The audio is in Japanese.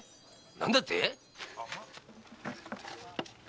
何だって？